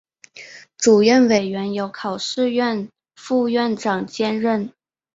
主任委员由考试院副院长兼任。